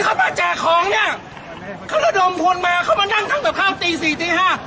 เขามาแจกของเนี้ยเขาระดมพลมาเขามานั่งตั้งแต่ข้ามตีสี่ตีห้า